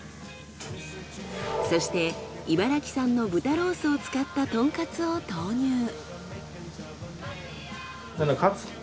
そして茨城産の豚ロースを使ったトンカツを投入。